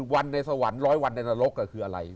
๑วันในสัวน๑๐๐วันในนรกคืออะไร